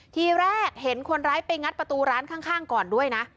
ทีแรกเห็นคนร้ายไปงัดประตูร้านข้างก่อนด้วยนะ